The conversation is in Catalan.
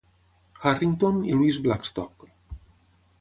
Harrington i Louis Blackstock.